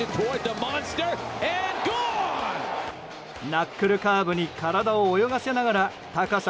ナックルカーブに体を泳がせながら高さ